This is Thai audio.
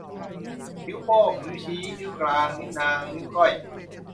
นิ้วโป้ง นิ้วชี้ นิ้วกลาง นิ้วนาง นิ้วก้อย